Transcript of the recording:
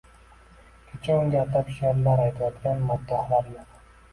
Kecha unga atab sheʼrlar aytayotgan maddohlar yoʻq.